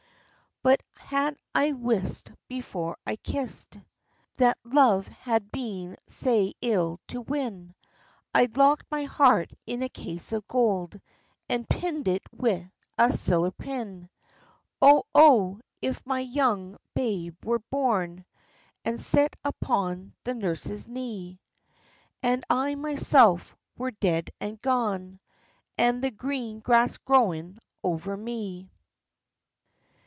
But had I wist before I kist That love had been sae ill to win, I'd locked my heart in a case of gold, And pinned it wi' a siller pin. Oh, oh! if my young babe were born, And set upon the nurse's knee; And I myself were dead and gane, And the green grass growing over me!